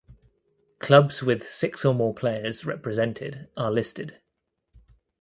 Clubs with six or more players represented are listed.